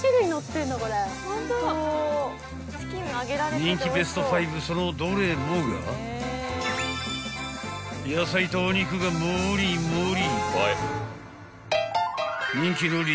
［人気ベスト５そのどれもが野菜とお肉がもりもり］